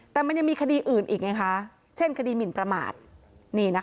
แต่มันยังมีคดีอื่นอีกไงคะเช่นคดีหมินประมาทนี่นะคะ